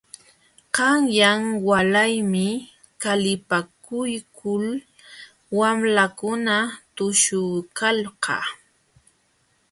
Qanyan walaymi qalipakuykul wamlakuna tushuykalqa.